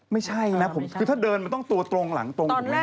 ไม่ใช่นะคือถ้าเดินมันต้องตัวตรงหลังตรง